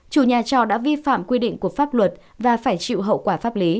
chủ nhà trọ đã vi phạm quy định của pháp luật và phải chịu hậu quả pháp lý